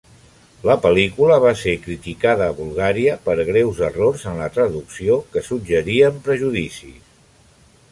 La pel·lícula va ser criticada a Bulgària per greus errors en la traducció, que suggerien prejudicis.